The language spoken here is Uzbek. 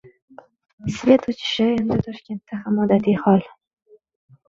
“Svet” o‘chishi – endi Toshkentda ham odatiy hol